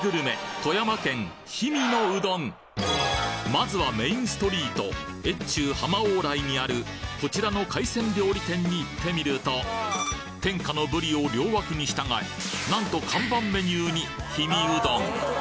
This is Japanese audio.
まずはメインストリート越中浜往来にあるこちらの海鮮料理店に行ってみると天下のぶりを両脇に従えなんと看板メニューに氷見うどん